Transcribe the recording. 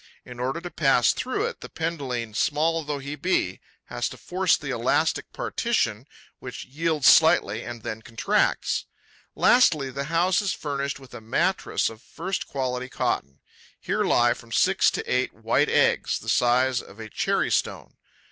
In order to pass through it, the Penduline, small though he be, has to force the elastic partition, which yields slightly and then contracts. Lastly, the house is furnished with a mattress of first quality cotton. Here lie from six to eight white eggs, the size of a cherry stone.